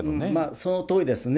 そのとおりですね。